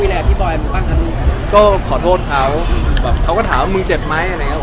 แบบก็ขอโทษเขาแบบเธอก็ถามมึงเจ็บมั้ย